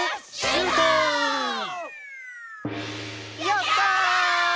「やったー！！」